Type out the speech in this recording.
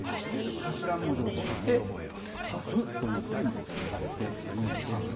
頭文字を取って、ＳＡＦというふうに呼ばれているんです。